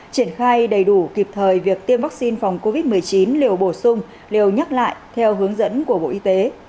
triển khai đầy đủ kịp thời việc tiêm vaccine phòng covid một mươi chín liều bổ sung liều nhắc lại theo hướng dẫn của bộ y tế